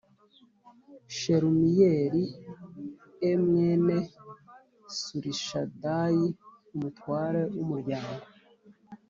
Shelumiyeli e mwene Surishadayi umutware w umuryango